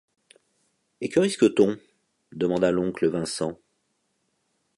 Et que risque-t-on ? demanda l’oncle Vincent.